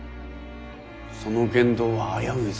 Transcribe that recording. その言動は危ういぞ。